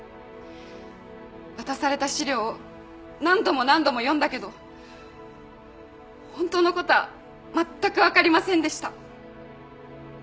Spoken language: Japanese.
渡された資料を何度も何度も読んだけど本当のことはまったく分かりませんでした。